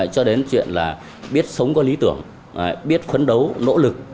cho đến chuyện là biết sống có lý tưởng biết khấn đấu nỗ lực